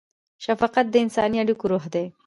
شفقت د انساني اړیکو روح دی.